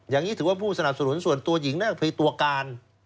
อย่างนี้ถือว่าผู้สนับสนุนส่วนตัวหญิงนั่นก็คือตัวการ